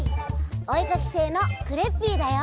おえかきせいのクレッピーだよ！